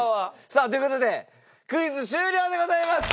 さあという事でクイズ終了でございます！